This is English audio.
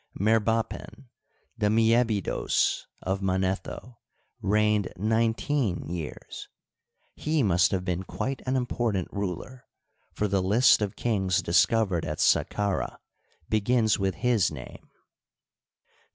Merbapen, the Aliebidos of Manetho, reigned nineteen years. He must have been quite an important ruler, for the list of kings discovered at Saqqarah begins with his name.